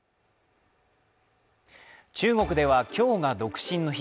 中国では今日が独身の日。